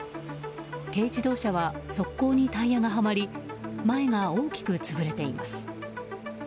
軽自動車は側溝にタイヤがはまり前が大きく潰れています。